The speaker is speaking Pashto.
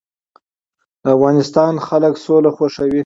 د افغانستان خلک سوله خوښوي